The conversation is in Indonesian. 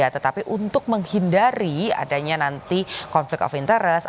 tetapi untuk menghindari adanya nanti konflik of interest